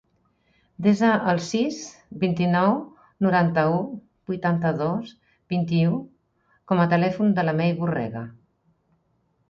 Desa el sis, vint-i-nou, noranta-u, vuitanta-dos, vint-i-u com a telèfon de la Mei Borrega.